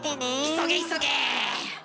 急げ急げ。